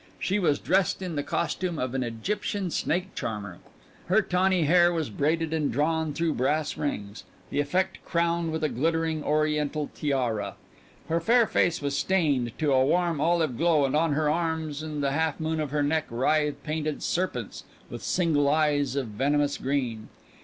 She was dressed in the costume of an Egyptian snake charmer: her tawny hair was braided and drawn through brass rings, the effect crowned with a glittering Oriental tiara. Her fair face was stained to a warm olive glow and on her arms and the half moon of her back writhed painted serpents with single eyes of venomous green.